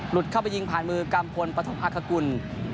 หลุดเข้าไปยิงผ่านมือกรัมพลปฐกภาคกร